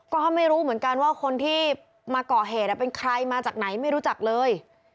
ก็ไม่รู้เหมือนกันว่าคนที่มาก่อเหตุเป็นใครมาจากไหนไม่รู้จักเลย